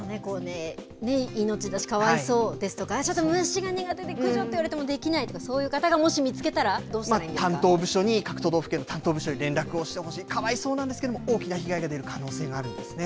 命だしかわいそうですとか、ちょっと虫が苦手で駆除っていわれてもできないとか、そういう方がもし見つけたら、どうしたらい担当部署に、各都道府県の担当部署に連絡をしてほしい、かわいそうなんですけれども大きな被害が出る可能性があるんですね。